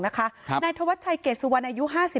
นายธไชรเกศวรอายุ๕๘